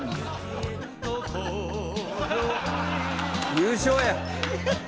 優勝や！